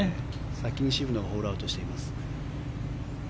先に渋野がホールアウトしています。